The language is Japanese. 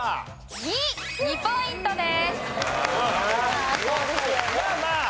１。１ポイントです。